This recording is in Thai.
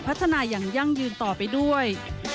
พัฒนาอย่างยั่งยืนต่อไปด้วย